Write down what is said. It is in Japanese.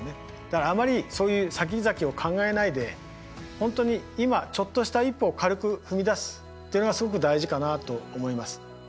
だからあまりそういうさきざきを考えないで本当に今ちょっとした一歩を軽く踏み出すっていうのがすごく大事かなと思います。